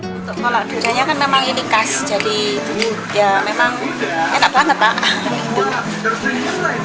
untuk kolak ducanya kan memang ini khas jadi ya memang enak banget pak